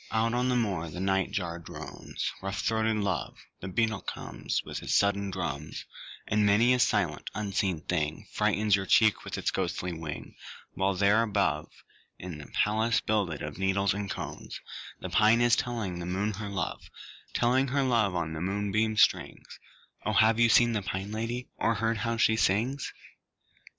Out on the moor the night jar drones Rough throated love, The beetle comes With his sudden drums, And many a silent unseen thing Frightens your cheek with its ghostly wing; While there above, In a palace builded of needles and cones, The pine is telling the moon her love, Telling her love on the moonbeam strings O have you seen the Pine Lady, Or heard her how she sings?